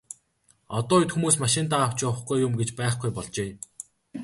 Одоо үед хүмүүс машиндаа авч явахгүй юм гэж байхгүй болжээ.